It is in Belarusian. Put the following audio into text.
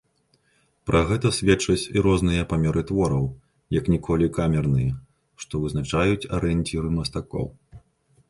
Пра гэта сведчаць і розныя памеры твораў, як ніколі камерныя, што вызначаюць арыенціры мастакоў.